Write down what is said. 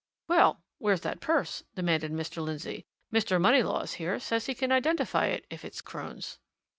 "Well where's that purse?" demanded Mr. Lindsey. "Mr. Moneylaws here says he can identify it, if it's Crone's."